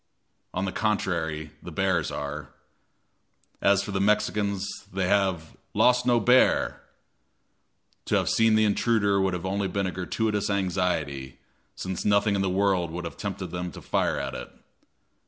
On the contrary, the bears are. As for the Mexicans, they have "lost no bear!" To have seen the intruder would have been only a gratuitous anxiety, since nothing in the world would have tempted them to fire at it.